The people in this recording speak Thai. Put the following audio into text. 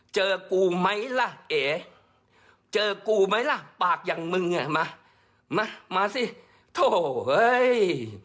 เจอกูไหมล่ะเอเจอกูไหมล่ะปากอย่างมึงอ่ะมามาสิโถเฮ้ย